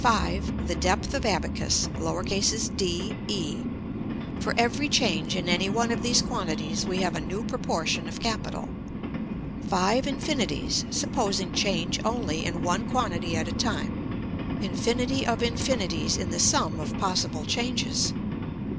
The depth of abacus, d e. For every change in any one of these quantities we have a new proportion of capital: five infinities, supposing change only in one quantity at a time: infinity of infinities in the sum of possible changes.